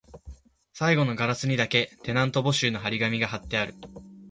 最後のガラスにだけ、テナント募集の張り紙が張ってある